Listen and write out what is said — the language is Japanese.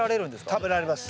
食べられます。